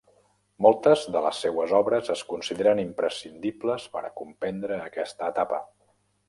Moltes de les seues obres es consideren imprescindibles per a comprendre aquesta etapa.